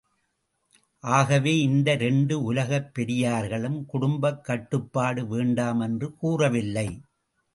ஆகவே இந்த இரண்டு உலகப் பெரியார்களும் குடும்பக் கட்டுப்பாடு வேண்டாம் என்று கூறவில்லை.